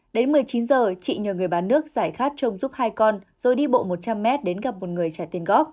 đến một mươi chín giờ chị nhờ người bán nước giải khát trồng giúp hai con rồi đi bộ một trăm linh m đến gặp một người trả tiền góp